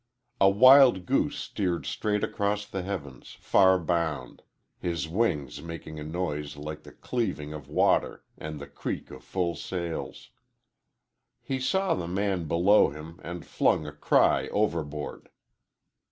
A wild goose steered straight across the heavens, far bound, his wings making a noise like the cleaving of water and the creak of full sails. He saw the man below him and flung a cry overboard.